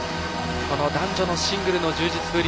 この男女のシングルの充実ぶり